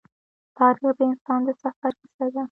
تاریخ د انسان د سفر کیسه ده.